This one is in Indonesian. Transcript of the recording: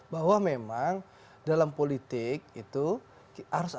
bahwa memang dalam politik itu harus ada